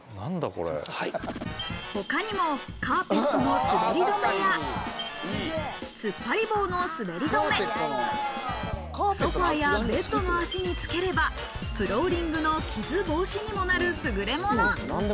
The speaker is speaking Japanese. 他にもカーペットの滑りどめや、突っ張り棒の滑りどめ、ソファやベッドの脚につければフローリングの傷防止にもなるすぐれもの。